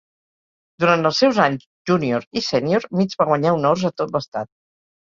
Durant els seus anys júnior i sènior, Mitts va guanyar honors a tot l'estat.